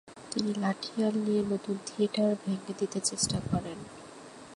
তিনি লাঠিয়াল দিয়ে নতুন থিয়েটার ভেঙ্গে দিতে চেষ্টা করেন।